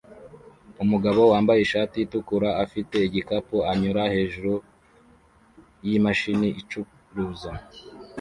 Umugabo wambaye ishati itukura afite igikapu anyura hejuru yimashini icuruza